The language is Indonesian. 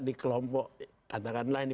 di kelompok katakanlah ini